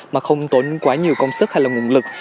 mà không tốn quá nhiều công sức hay là nguồn lực